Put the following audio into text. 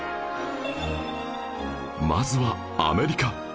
まずはアメリカ